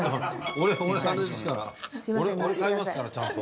俺買いますからちゃんと。